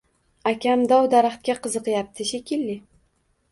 Akam dov-daraxtga qiziqyapti, shekilli